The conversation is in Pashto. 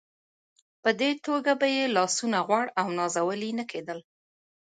په دې توګه به یې لاسونه غوړ او ناولې نه کېدل.